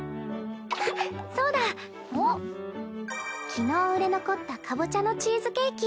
昨日売れ残ったかぼちゃのチーズケーキ。